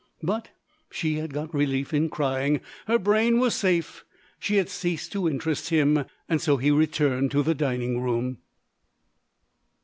But, she had got relief in crying; her brain was safe; she had ceased to interest him. He returned to the dining room.